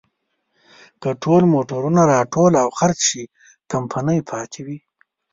که ټول موټرونه راټول او خرڅ شي، کمپنۍ پاتې وي.